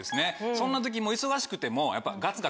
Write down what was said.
そんな時も忙しくても。